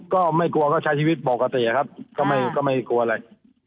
ก็ไม่กลัวก็ใช้ชีวิตปกติครับก็ไม่กลัวอะไร